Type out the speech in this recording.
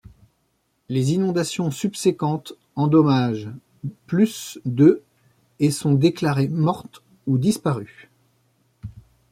Les inondations subséquentes endommagent plus de et sont déclarées mortes ou disparues.